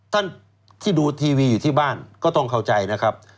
ท่านที่ดูทีวีอยู่ที่บ้านก็ต้องเข้าใจนะครับ